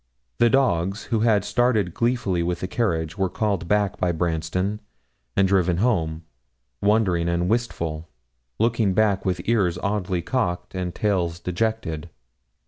The dogs, who had started gleefully with the carriage, were called back by Branston, and driven home, wondering and wistful, looking back with ears oddly cocked and tails dejected.